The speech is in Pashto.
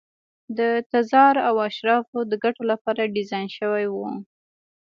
د تزار او اشرافو د ګټو لپاره ډیزاین شوي وو.